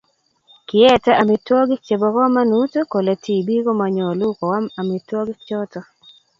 Kiete amitwogik chebo komonut kele tibik komonyolu koam amitwogik choto